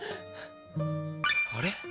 あれ？